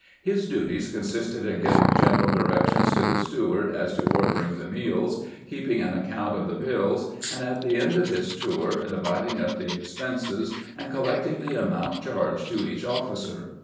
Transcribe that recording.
His duties consisted in giving general directions to the steward as to ordering the meals, keeping an account of the bUls, and at the end of his tour dividing up the expenses and collecting the amount charged to each officer.